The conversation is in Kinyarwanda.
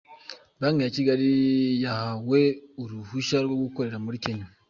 Banki ya Kigali yahawe uruhushya rwo gukorera muri Kenya